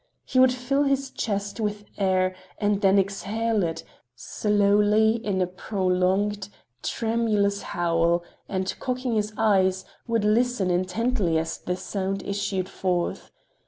He would fill his chest with air and then exhale it, slowly in a prolonged tremulous howl, and, cocking his eyes, would listen intently as the sound issued forth.